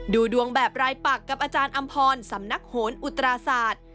ดูดวงแบบรายปักกับอาจารย์อำพรสำนักโหนอุตราศาสตร์